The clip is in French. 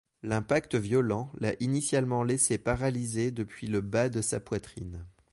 L'impact violent l'a initialement laissé paralysé depuis le bas de sa poitrine.